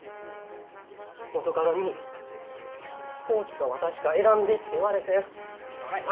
元カノに飛行機か私か選んでって言われてん。